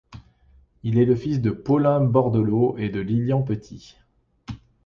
Il est le fils de Paulin Bordeleau et de Lillian Petit.